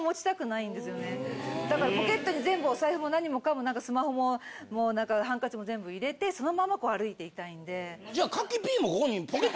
だからポケットに全部お財布も何もかもなんかスマホもハンカチも全部入れてそのまま歩いていたいんで。